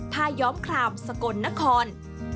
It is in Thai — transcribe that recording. ท่าย้อมครามสกลนคร